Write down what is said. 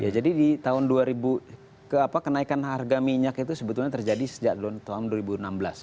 jadi di tahun dua ribu kenaikan harga minyak itu sebetulnya terjadi sejak tahun dua ribu enam belas